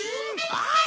おい！